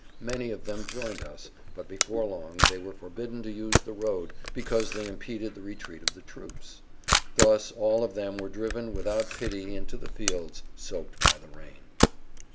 Many of them joined us, but before long they were forbidden to use the road because they impeded the retreat of the troops. Thus all of them were driven without pity into the fields soaked by the rain.